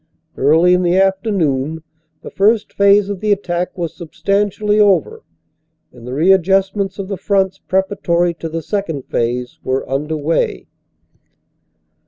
"Early in the afternoon the First Phase of the attack was substantially over, and the readjustments of the fronts pre paratory to the Second Phase were under way.